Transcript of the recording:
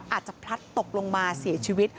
อาจจะพลัดตกลงมาเสียชีวิต